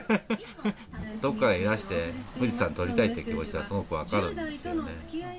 遠くからいらして富士山撮りたいっていう気持ちはすごく分かるんですけどね。